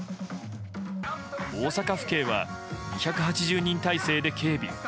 大阪府警は２８０人態勢で警備。